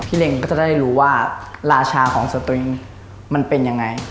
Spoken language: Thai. เล็งก็จะได้รู้ว่าราชาของสตริงมันเป็นยังไง